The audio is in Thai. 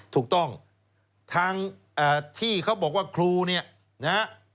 ถูกต้องทางที่เขาบอกว่าครูเนี่ยนะฮะ